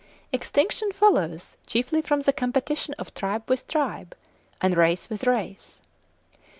Extinction follows chiefly from the competition of tribe with tribe, and race with race.